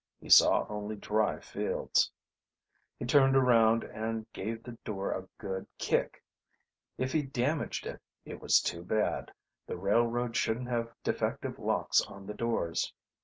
He saw only dry fields. He turned around and gave the door a good kick. If he damaged it, it was too bad; the railroad shouldn't have defective locks on the doors.